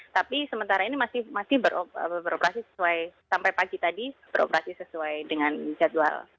tapi sementara ini masih beroperasi sesuai sampai pagi tadi beroperasi sesuai dengan jadwal